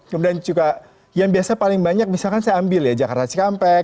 kemudian juga yang biasa paling banyak misalkan saya ambil ya jakarta cikampek